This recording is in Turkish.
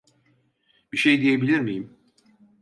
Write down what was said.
Bir şey diyebilir miyim?